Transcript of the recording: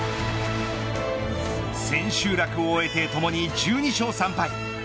千秋楽を終えてともに１２勝３敗。